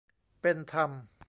เป็นธรรม